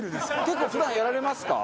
結構普段やられますか？